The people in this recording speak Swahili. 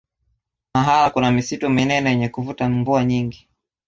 mahala kuna misitu minene yenye kuvuta mvua nyingi